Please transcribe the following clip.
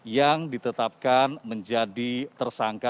yang ditetapkan menjadi tersangka